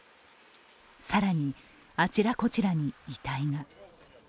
更に、あちらこちらに遺体が。